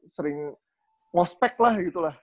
sering ngospek lah gitu lah